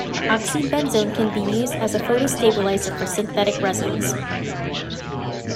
Oxybenzone can also be used as a photostabilizer for synthetic resins.